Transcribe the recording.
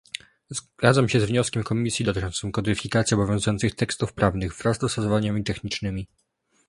Zgadzam się z wnioskiem Komisji dotyczącym kodyfikacji obowiązujących tekstów prawnych wraz z dostosowaniami technicznymi